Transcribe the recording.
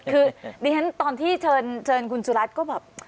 คือดิฉันตอนที่เชิญคุณสุรัตน์ก็แบบ